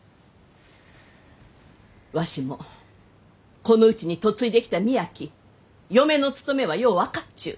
わしもこのうちに嫁いできた身やき嫁の務めはよう分かっちゅう。